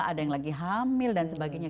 ada yang lagi hamil dan sebagainya